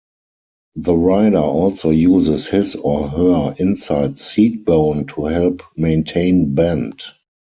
The rider also uses his or her inside seat bone to help maintain bend.